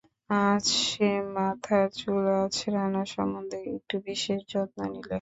আজ সে মাথার চুল আঁচড়ানো সম্বন্ধে একটু বিশেষ যত্ন নিলে।